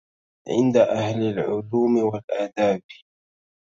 عند أهل العلوم والآداب